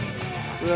うわ。